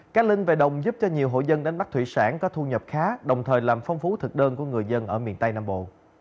cá linh về đồng giúp cho nhiều hộ dân đánh bắt thủy sản có thu nhập khá đồng thời làm phong phú thực đơn của người dân ở miền tây nam bộ